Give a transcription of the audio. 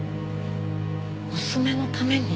娘のために？